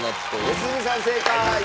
良純さん正解！